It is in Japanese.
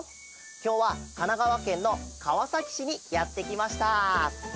きょうはかながわけんのかわさきしにやってきました。